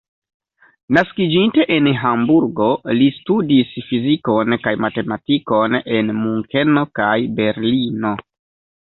Naskiĝinte en Hamburgo, li studis fizikon kaj matematikon en Munkeno kaj Berlino.